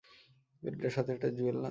মেলিন্ডার সাথে এটা জুয়েল না?